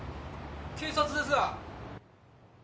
警察ですが。